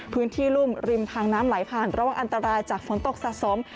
รุ่มริมทางน้ำไหลผ่านระวังอันตรายจากฝนตกสะสม